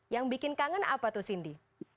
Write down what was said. yang bikin kangen apa tuh cindy